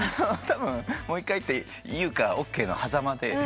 たぶんもう１回って言うかＯＫのはざまで。